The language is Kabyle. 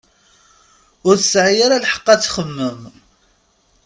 Ur tesɛi ara lḥeq ad txemmem.